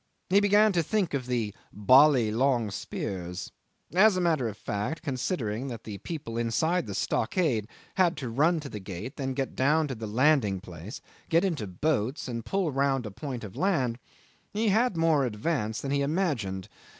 He began to think of the "bally long spears." As a matter of fact, considering that the people inside the stockade had to run to the gate, then get down to the landing place, get into boats, and pull round a point of land, he had more advance than he imagined.